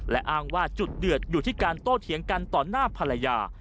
และอ้างว่าจุดเดือดอยู่ที่การโต้เถียงกันต่อหน้าภรรยา